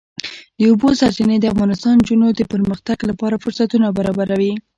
د اوبو سرچینې د افغان نجونو د پرمختګ لپاره فرصتونه برابروي.